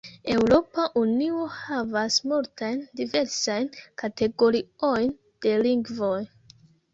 Eŭropa Unio havas multajn diversajn kategoriojn de lingvoj.